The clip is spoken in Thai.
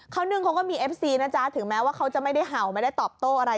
นึ่งเขาก็มีเอฟซีนะจ๊ะถึงแม้ว่าเขาจะไม่ได้เห่าไม่ได้ตอบโต้อะไร